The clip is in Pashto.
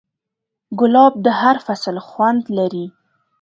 ګلاب د هر فصل خوند لري.